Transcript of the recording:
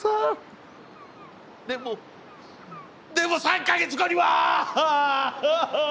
でもでも３か月後には！